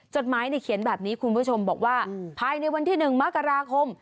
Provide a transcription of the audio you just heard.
จดหมายเขียนแบบนี้คุณผู้ชมบอกว่าภายในวันที่๑มกราคม